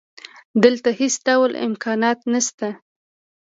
دلته هېڅ ډول امکانات نشته